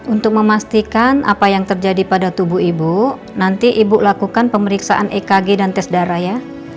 untuk memastikan apa yang terjadi pada tubuh ibu nanti ibu lakukan pemeriksaan ekg dan tes darah ya